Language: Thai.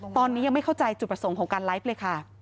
ตอนนี้ยังไม่เข้าใจจุดประสงค์ของการไลฟ์เลยค่ะ